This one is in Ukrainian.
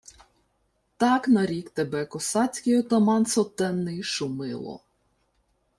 — Так нарік тебе косацький отаман сотенний Шумило...